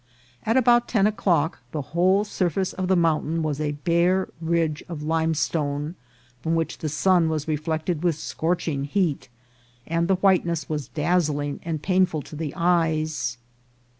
At about ten o'clock the whole surface of the mountain was a bare ridge of limestone, from which the sun was reflected with scorching heat, and the whiteness was dazzling and painful to the eyes.